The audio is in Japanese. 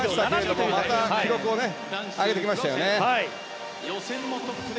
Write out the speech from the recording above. また記録を上げてきましたね。